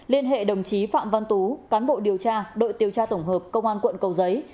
liên hệ đồng chí phạm văn tú cán bộ điều tra đội điều tra tổng hợp công an quận cầu giấy